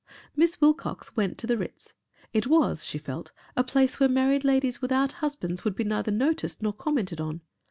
Miss Wilcox went to the Ritz. It was, she felt, a place where married ladies without husbands would be neither noticed nor commented on.